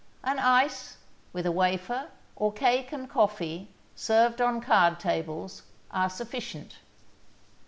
An ice, with a wafer, or cake and coffee, served on card tables, are sufficient.